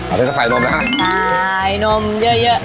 อันนี้ก็ใส่นมนะฮะใช่นมเยอะเยอะ